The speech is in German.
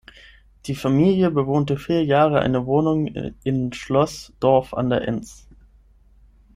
Die Familie bewohnte vier Jahre eine Wohnung in Schloss Dorf an der Enns.